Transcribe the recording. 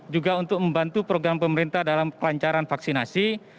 juga untuk membantu program pemerintah dalam kelancaran vaksinasi